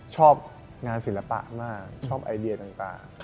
ชอบงานศิลปะมากชอบไอเดียต่าง